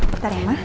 bentar ya ma